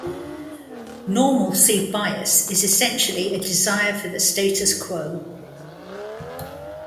Normalcy bias is essentially a desire for the status quo.